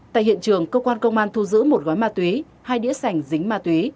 tại hiện trường cơ quan công an thu giữ một gói ma túy hai đĩa sành dính ma túy